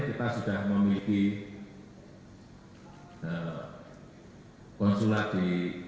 kita sudah memiliki konsulat di